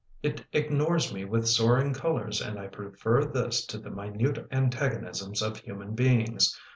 " It ignores me with soaring colours and I prefer this to the minute antagonisms of human beings.